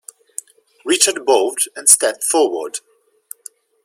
Richard bowed and stepped forward.